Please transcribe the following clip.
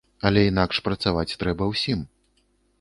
Але інакш працаваць трэба ўсім.